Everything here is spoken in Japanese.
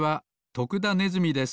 徳田ネズミです。